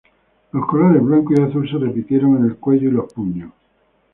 Los colores blanco y azul se repitieron en el cuello y los puños.